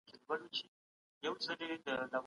څېړنه او کره کتنه خپلمنځي نږدې اړيکې لري.